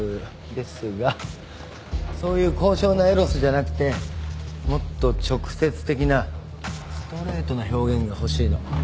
ですがそういう高尚なエロスじゃなくてもっと直接的なストレートな表現が欲しいの。